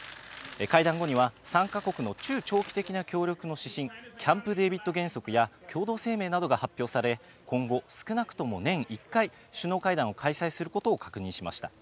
会談後には、３か国の中長期的な協力の指針、キャンプ・デービッド原則や共同声明などが発表され、今後、少なくとも年１回、首脳会談を開催することを確認しました。